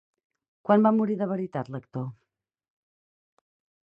Quan va morir de veritat l'actor?